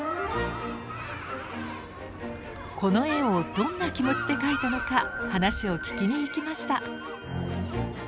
この絵をどんな気持ちで描いたのか話を聞きに行きました。